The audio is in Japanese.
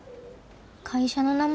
会社の名前？